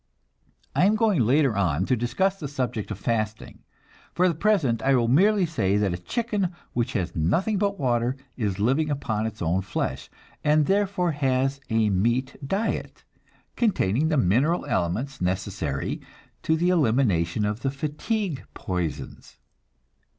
I am going later on to discuss the subject of fasting. For the present I will merely say that a chicken which has nothing but water is living upon its own flesh, and therefore has a meat diet, containing the mineral elements necessary to the elimination of the fatigue poisons.